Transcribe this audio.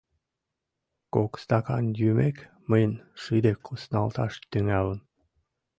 Кок стакан йӱмек, мыйын шыде кусналташ тӱҥалын.